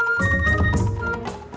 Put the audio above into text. aga mencari kape